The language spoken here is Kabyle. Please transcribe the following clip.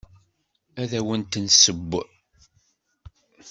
Ad awent-d-nesseww.